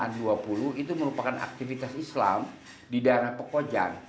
samping itu kita pada abad pemulaan dua puluh itu merupakan aktivitas islam di daerah pekojan